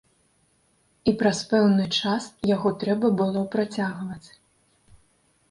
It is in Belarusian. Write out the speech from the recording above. І праз пэўны час яго трэба было працягваць.